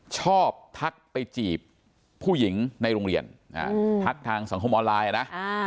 ทักไปจีบผู้หญิงในโรงเรียนทักทางสังคมออนไลน์นะ